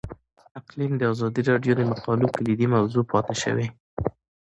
اقلیم د ازادي راډیو د مقالو کلیدي موضوع پاتې شوی.